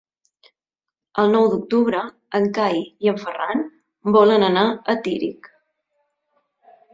El nou d'octubre en Cai i en Ferran volen anar a Tírig.